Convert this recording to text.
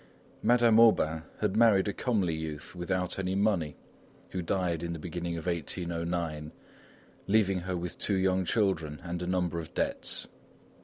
Madame Aubain had married a comely youth without any money, who died in the beginning of 1809, leaving her with two young children and a number of debts.